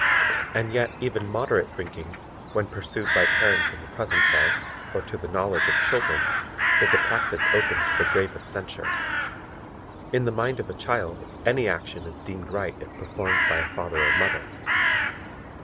And yet even moderate drinking, when pursued by parents in the presence of, or to the knowledge of children, is a practice open to the gravest censure. In the mind of a child any action is deemed right if performed by a father or mother.